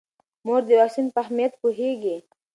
مور د واکسین په اهمیت پوهیږي.